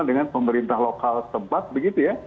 dengan pemerintah lokal tempat begitu ya